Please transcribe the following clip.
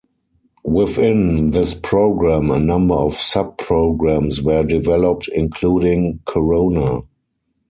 Within this program a number of sub-programs were developed including Corona.